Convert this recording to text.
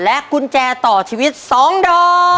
กุญแจต่อชีวิต๒ดอก